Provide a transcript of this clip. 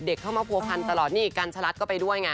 เด็กเข้ามาโพพันต์ตลอดนี่กัญชรัฐก็ไปด้วยไง